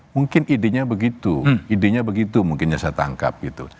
mungkin idenya begitu mungkin saya tangkap gitu